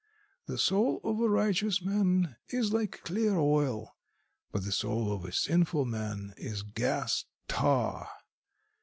The soul of a righteous man is like clear oil, but the soul of a sinful man is gas tar.